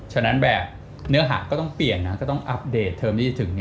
ฉะนั้นแบบเนื้อหาก็ต้องเปลี่ยนนะก็ต้องอัปเดตเทอมที่จะถึง